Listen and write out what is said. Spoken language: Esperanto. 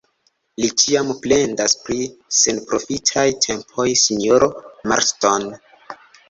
Li ĉiam plendas pri senprofitaj tempoj, sinjoro Marston.